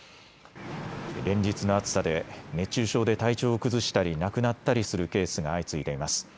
連日の暑さで熱中症で体調を崩したり亡くなったりするケースが相次いでいます。